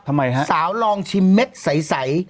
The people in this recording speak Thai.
ทำไมฮะสาวลองชิมเม็ดใส